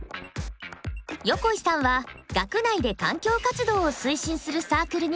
横井さんは学内で環境活動を推進するサークルに所属。